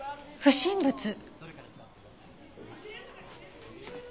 不審物？